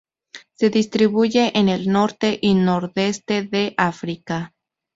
Se distribuye en el norte y nordeste de África.